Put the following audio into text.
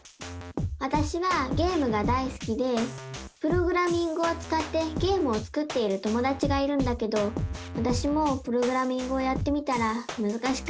わたしはゲームがだいすきでプログラミングをつかってゲームを作っている友だちがいるんだけどわたしもプログラミングをやってみたらむずかしくて。